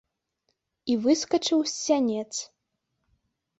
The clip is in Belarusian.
І выскачыў з сянец.